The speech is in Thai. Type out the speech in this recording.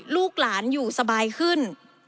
ลูกหลานอยู่สบายขึ้น